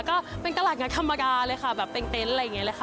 ก็เป็นตลาดงานธรรมดาเลยค่ะแบบเป็นเต็นต์อะไรอย่างนี้เลยค่ะ